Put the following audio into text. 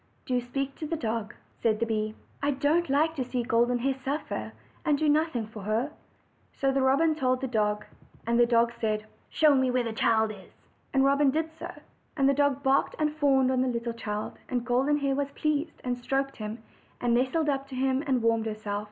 "Do speak to the dog," said the bee. "I don't like to see Golden Hair suffer, and do nothing for her." So the robin told the dog. The dog said: "Show me where the child is." And Robin did so. And the dog barked and fawned on the little child; and Golden Hair was pleased, and stroked him, and nestled up to him and warmed herself.